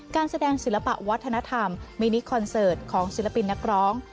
การแสดงศิลปะวัฒนธรรมมินิคอนเสิร์ตของศิลปินนักร้อง